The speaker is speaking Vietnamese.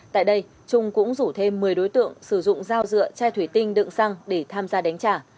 tại đây trung cũng rủ thêm một mươi đối tượng sử dụng dao dựa chai thủy tinh đựng xăng để tham gia đánh trả